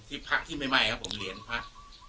ที่พักที่ใหม่ใหม่ครับผมเหรียญพัก